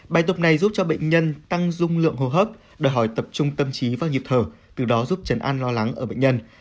bài tập này giúp cho bệnh nhân tăng dung lượng hô hấp đòi hỏi tập trung tâm trí và nhịp thở từ đó giúp chấn an lo lắng ở bệnh nhân